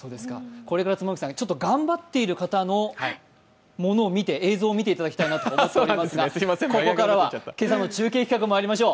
これから妻夫木さん、頑張っている方の映像を見ていただきたいと思っていますがここからは今朝の中継企画にまいりましょう。